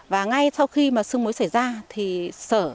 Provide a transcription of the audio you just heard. và ngay sau khi mà sương muối xảy ra thì sở